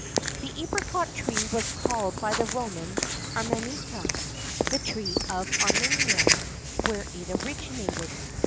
The apricot tree was called by the Romans Armeniaca, the tree of Armenia, where it originated.